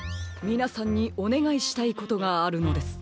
みなさんにおねがいしたいことがあるのです。